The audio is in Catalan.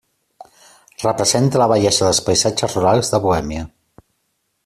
Representa la bellesa dels paisatges rurals de Bohèmia.